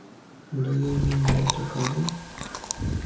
Do you mean Monte Carlo?